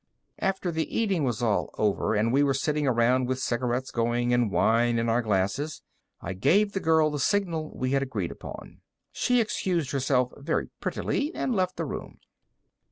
After the eating was all over, and we were all sitting around with cigarettes going and wine in our glasses, I gave the girl the signal we had agreed upon. She excused herself very prettily and left the room.